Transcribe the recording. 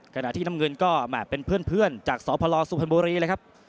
กระดาษที่น้ำเงินก็เป็นเพื่อนจากสอพลสุพรบุรีเลยครับ